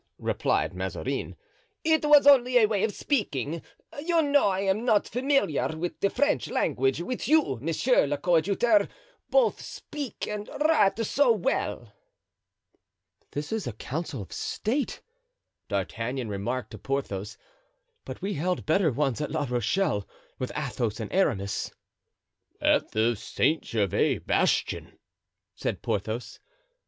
'" replied Mazarin. "It was only a way of speaking. You know I am not familiar with the French language, which you, monsieur le coadjuteur, both speak and write so well." ("This is a council of state," D'Artagnan remarked to Porthos; "but we held better ones at La Rochelle, with Athos and Aramis." "At the Saint Gervais bastion," said Porthos.